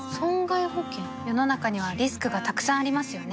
世の中にはリスクがたくさんありますよね